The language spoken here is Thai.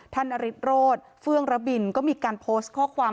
นฤทธโรธเฟื่องระบินก็มีการโพสต์ข้อความ